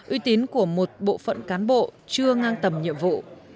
uy tín của một bộ phận cán bộ chưa ngang tầm nhiệm vụ